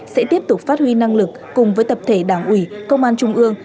sẽ tiếp tục phát huy năng lực cùng với tập thể đảng ủy công an trung ương